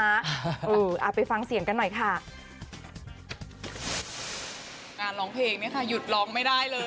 เออไปฟังเสียงกันหน่อยค่ะ